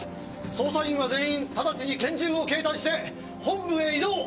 捜査員は全員ただちに拳銃を携帯して本部へ移動！